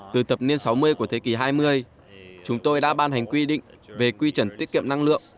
từ thập niên sáu mươi của thế kỷ hai mươi chúng tôi đã ban hành quy định về quy chuẩn tiết kiệm năng lượng